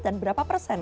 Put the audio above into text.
dan berapa persen